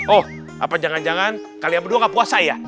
oh apa jangan jangan kalian berdua gak puasa ya